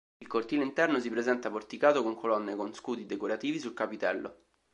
Il cortile interno si presenta porticato con colonne con scudi decorativi sul capitello.